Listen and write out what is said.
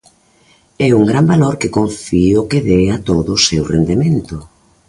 É un gran valor que confío que dea todo o seu rendemento.